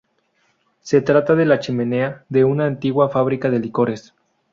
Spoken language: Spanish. Se trata de la chimenea de una antigua fábrica de licores.